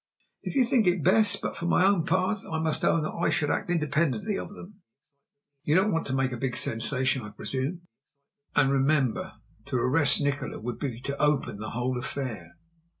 "If you think it best; but, for my own part, I must own I should act independently of them. You don't want to make a big sensation, I presume; and remember, to arrest Nikola would be to open the whole affair."